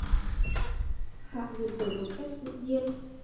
Hạ niềm nở một cách tự nhiên